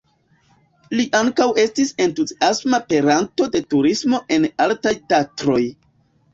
Li ankaŭ estis entuziasma peranto de turismo en Altaj Tatroj.